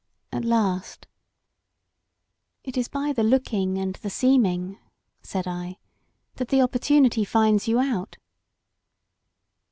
At last — It is by the looking and the seeming," said I, '*that the opporttmity finds you out."